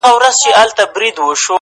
هغه لونگ چي شعر وايي سندرې وايي!